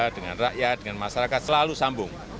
dengan masyarakat selalu sambung